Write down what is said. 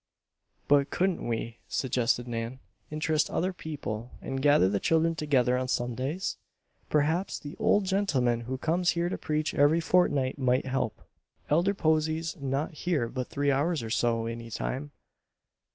"But couldn't we," suggested Nan, "interest other people and gather the children together on Sundays? Perhaps the old gentleman who comes here to preach every fortnight might help." "Elder Posey's not here but three hours or so, any time.